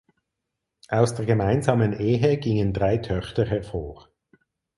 Aus der gemeinsamen Ehe gingen drei Töchter hervor.